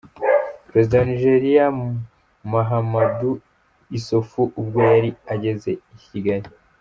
Perezida wa Niger, Mahamadou Issoufou ubwo yari ageze i Kigali.